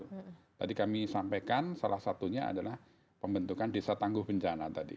tadi kami sampaikan salah satunya adalah pembentukan desa tangguh bencana tadi